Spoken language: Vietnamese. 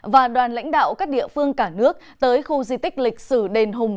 và đoàn lãnh đạo các địa phương cả nước tới khu di tích lịch sử đền hùng